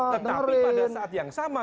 tetapi pada saat yang sama